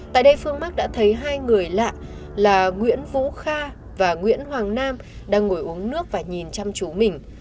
tại đây phương mắc đã thấy hai người lạ là nguyễn vũ kha và nguyễn hoàng nam đang ngồi uống nước và nhìn chăm chú mình